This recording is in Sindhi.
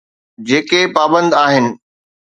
جيڪي پابند آهن.